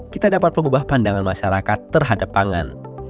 kita dapat mengubah pandangan masyarakat terhadap pangan